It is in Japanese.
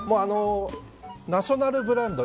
ナショナルブランド